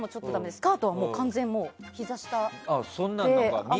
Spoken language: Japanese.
スカートは完全ひざ下で。